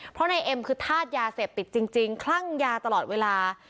เพราะนายเอ็มคือธาตุยาเสพติดจริงคลั่งยาตลอดเวลา